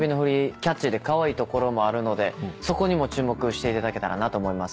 キャッチーでカワイイところもあるのでそこにも注目していただけたらなと思います。